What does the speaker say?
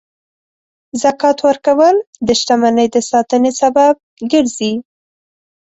زکات ورکول د شتمنۍ د ساتنې سبب ګرځي.